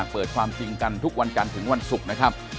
เปิดความจริงกันทุกวันจันทร์ถึงวันศุกร์นะครับ